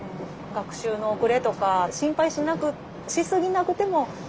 学習の遅れとか心配しなくしすぎなくてもいいですか？